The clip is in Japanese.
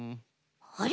あれ？